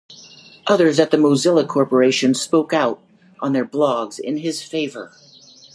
Others at the Mozilla Corporation spoke out on their blogs in his favor.